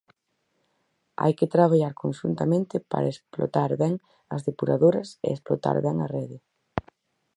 Hai que traballar conxuntamente para explotar ben as depuradoras e explotar ben a rede.